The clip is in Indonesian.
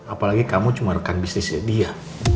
apalagi kamu cuma rekan bisnisnya dia